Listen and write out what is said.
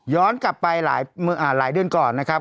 กลับไปหลายเดือนก่อนนะครับ